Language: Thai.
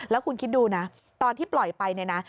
แล้วคุณคิดดูนะตอนที่ปล่อยไปเนี่ยนะ